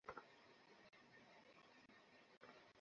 আমার গিটারটা নিয়ে বেরিয়ে পড়ি, অঞ্জলির জন্য।